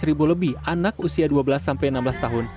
tiga belas ribu lebih anak usia dua belas sampai enam belas tahun